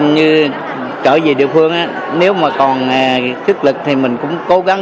như trở về địa phương nếu mà còn sức lực thì mình cũng cố gắng